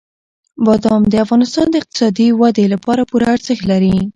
بادام د افغانستان د اقتصادي ودې لپاره پوره ارزښت لري.